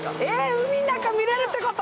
海の中見られるってこと！？